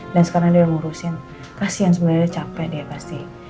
dan sekarang dia mau urusin kasian sebenernya capek dia pasti